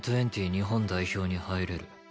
日本代表に入れる。